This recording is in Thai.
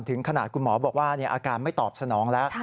ถึงขนาดคุณหมอบอกว่าอาการไม่ตอบสนองแล้ว